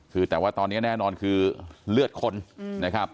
คือแต่ว่าตอนนี้แน่นอนคือเลือดคนนะครับ